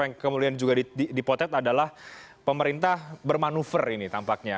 yang kemudian juga dipotret adalah pemerintah bermanuver ini tampaknya